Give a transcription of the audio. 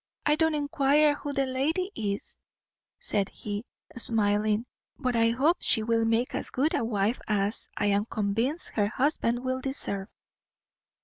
I don't enquire who the lady is," said he, smiling, "but I hope she will make as good a wife as, I am convinced, her husband will deserve."